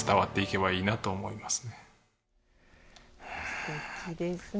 すてきですね。